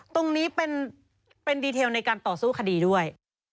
ตรงนี้เป็นดีเทลในการต่อสู้คดีด้วย